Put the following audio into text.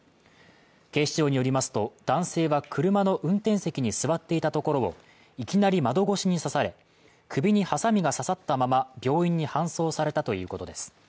警視庁によりますと、男性は車の運転席に座っていたところをいきなり窓越しに刺され、首にはさみが刺さったまま、病院に搬送されたということです。